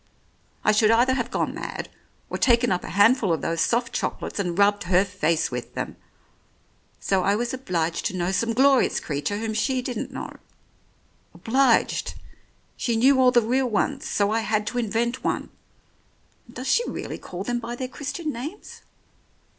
I should either have gone mad, or taken up a handful of those soft chocolates and rubbed her face with them. So I was obliged to know some glorious creature whom she didn't know. Obliged ! She knew all the real ones, so I had to invent one. And does she really call them by their Christian names?